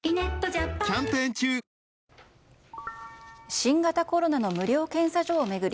新型コロナの無料検査所を巡り